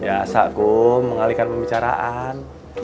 ya asa kum mengalihkan pembicaraan